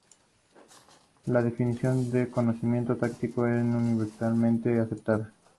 La definición de conocimiento tácito no es universalmente aceptada.